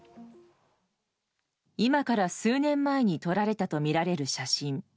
今から数年前に撮られたとみられる写真。